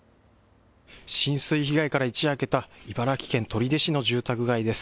浸水被害から一夜明けた茨城県取手市の住宅街です。